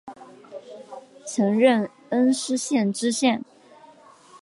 曾任恩施县知县。